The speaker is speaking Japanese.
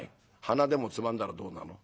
「鼻でもつまんだらどうなの」。